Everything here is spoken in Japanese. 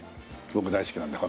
僕大好きなんだ。